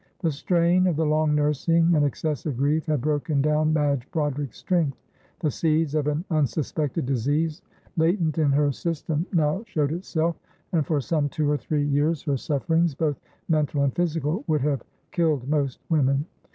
The strain of the long nursing and excessive grief had broken down Madge Broderick's strength. The seeds of an unsuspected disease latent in her system now showed itself, and for some two or three years her sufferings, both mental and physical, would have killed most women.